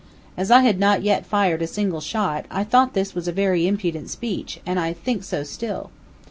As I had not yet fired a single shot, I thought this was a very impudent speech, and I think so still.